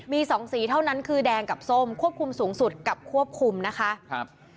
มีสองสีเท่านั้นคือแดงกับส้มควบคุมสูงสุดกับควบคุมนะคะครับ